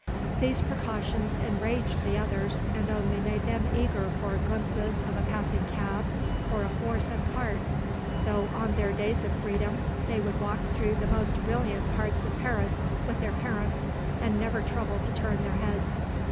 These precautions enraged the others, and only made them eager for glimpses of a passing cab or a horse and cart, though on their days of freedom they would walk through the most brilliant parts of Paris with their parents, and never trouble to turn their heads.